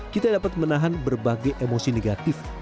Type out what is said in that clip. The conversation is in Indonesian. kita dapat menahan berbagai emosi negatif